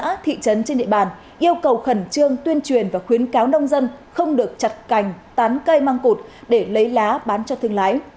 các xã thị trấn trên địa bàn yêu cầu khẩn trương tuyên truyền và khuyến cáo nông dân không được chặt cành tán cây măng cụt để lấy lá bán cho thương lái